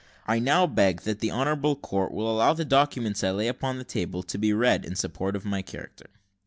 I now beg that the honourable court will allow the documents I lay upon the table to be read in support of my character."